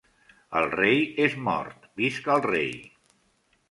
El rei és mort, visca el rei.